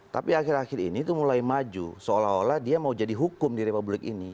tapi akhir akhir ini itu mulai maju seolah olah dia mau jadi hukum di republik ini